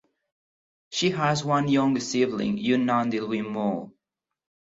She has one younger sibling Yun Nandi Lwin Moe.